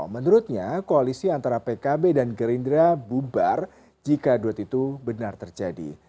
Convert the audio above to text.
menurutnya koalisi antara pkb dan gerindra bubar jika duet itu benar terjadi